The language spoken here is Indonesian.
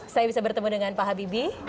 saya bisa bertemu dengan pak habibie